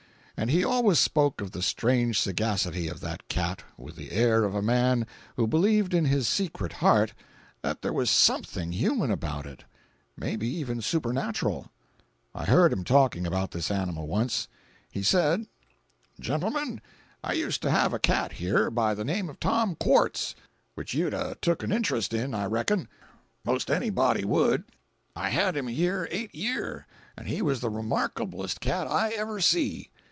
And he always spoke of the strange sagacity of that cat with the air of a man who believed in his secret heart that there was something human about it—may be even supernatural. I heard him talking about this animal once. He said: 440.jpg (18K) "Gentlemen, I used to have a cat here, by the name of Tom Quartz, which you'd a took an interest in I reckon—most any body would. I had him here eight year—and he was the remarkablest cat I ever see.